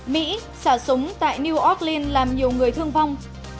mỹ xả súng tại new yorklyn làm nhiều người thương vong